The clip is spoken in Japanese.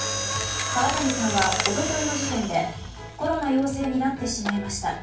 川谷さんは一昨日の時点でコロナ陽性になってしまいました。